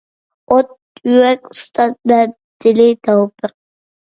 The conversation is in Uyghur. ئوت يۈرەك ئۇستاز مەمتىلى تەۋپىق.